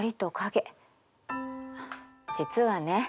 実はね